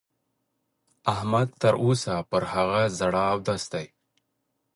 احمد تر اوسه پر هغه زاړه اودس دی.